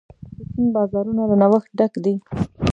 د چین بازارونه له نوښت ډک دي.